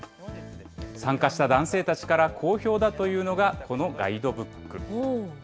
参加した男性たちから好評だというのが、このガイドブック。